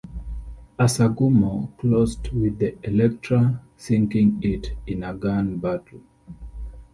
"Asagumo" closed with the "Electra", sinking it in a gun battle.